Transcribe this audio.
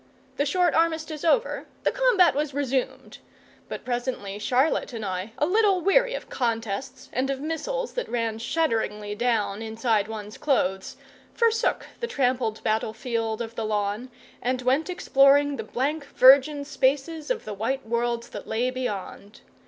The short armistice over, the combat was resumed; but presently Charlotte and I, a little weary of contests and of missiles that ran shudderingly down inside one's clothes, forsook the trampled battle field of the lawn and went exploring the blank virgin spaces of the white world that lay beyond.